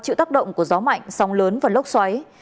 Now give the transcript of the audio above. chịu tác động của gió mạnh sóng lớn và lốc xoáy